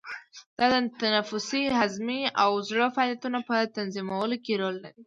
دا د تنفسي، هضمي او زړه فعالیتونو په تنظیمولو کې رول لري.